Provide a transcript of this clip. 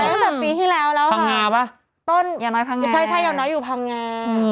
ไปตัวปีที่แล้วแล้วค่ะต้นใช่ตายัวน้อยอยู่ภังงา